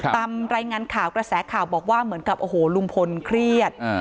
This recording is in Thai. ตามรายงานข่าวกระแสข่าวบอกว่าเหมือนกับโอ้โหลุงพลเครียด